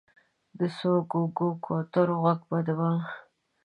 د څو ګوګو، کوترو ږغ به د بام،